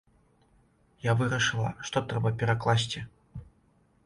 Я вырашыла, што трэба перакласці.